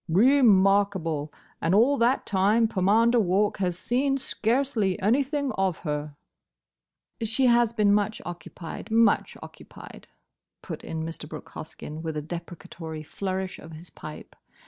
"Re markable! And all that time Pomander Walk has seen scarcely anything of her." "She has been much occupied—much occupied," put in Mr. Brooke Hoskyn, with a deprecatory flourish of his pipe.